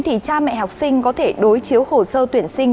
thì cha mẹ học sinh có thể đối chiếu hồ sơ tuyển sinh